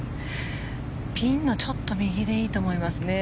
ピンのちょっと右でいいと思いますね。